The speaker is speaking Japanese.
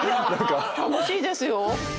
楽しいですよ。